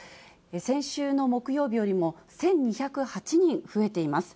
先週の木曜日よりも１２０８人増えています。